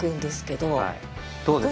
どうですか？